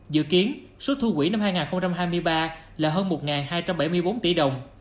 dự kiến số thu quỹ năm hai nghìn hai mươi ba là hơn một hai trăm bảy mươi bốn tỷ đồng